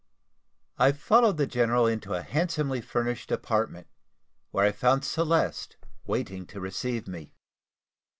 I followed the general into a handsomely furnished apartment, where I found Celeste waiting to receive me.